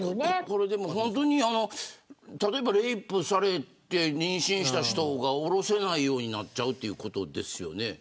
これは例えばレイプされて妊娠した人がおろせないようになっちゃうということですよね。